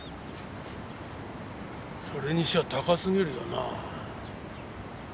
それにしちゃ高すぎるよな。